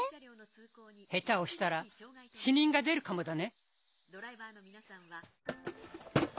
下手をしたら死人が出るかもだね。